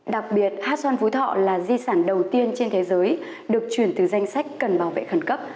đặc biệt hát xoan phú thọ là di sản đầu tiên trên thế giới được chuyển từ danh sách cần bảo vệ khẩn cấp